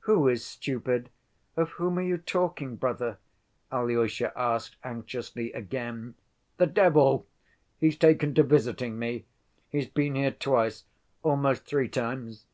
"Who is stupid? Of whom are you talking, brother?" Alyosha asked anxiously again. "The devil! He's taken to visiting me. He's been here twice, almost three times.